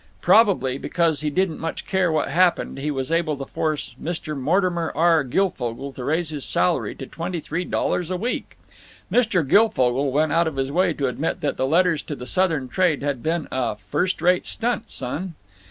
Probably because he didn't much care what happened he was able to force Mr. Mortimer R. Guilfogle to raise his salary to twenty three dollars a week. Mr. Guilfogle went out of his way to admit that the letters to the Southern trade had been "a first rate stunt, son."